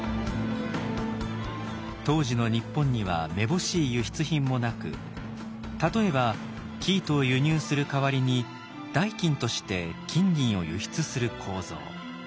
当時の日本にはめぼしい輸出品もなく例えば生糸を輸入する代わりに代金として金銀を輸出する構造。